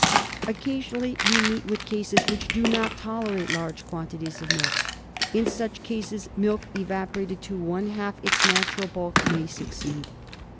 Occasionally we meet with cases which do not tolerate large quantities of milk. In such cases milk evaporated to one half its natural bulk may succeed.